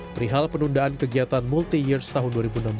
perihal penundaan kegiatan multi years tahun dua ribu enam belas